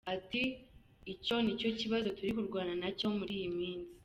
Ati” Icyo ni cyo kibazo turi kurwana nacyo muri iyi minsi.